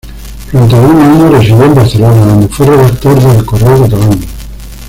Durante algunos años residió en Barcelona, donde fue redactor de "El Correo Catalán".